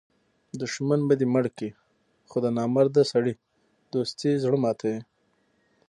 دوښمن به دي مړ کي؛ خو د نامرده سړي دوستي زړه ماتوي.